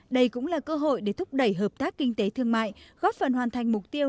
đây cũng là cơ hội để thúc đẩy hợp tác kinh tế thương mại góp phần hoàn thành mục tiêu